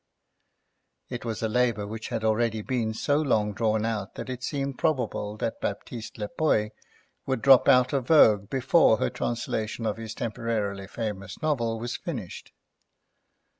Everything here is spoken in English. It was a labour which had already been so long drawn out that it seemed probable that Baptiste Lepoy would drop out of vogue before her translation of his temporarily famous novel was finished.